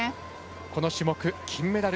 この種目、金メダル